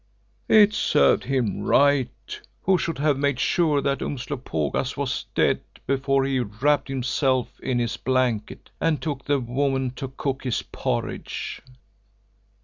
It served him right who should have made sure that Umslopogaas was dead before he wrapped himself in his blanket and took the woman to cook his porridge."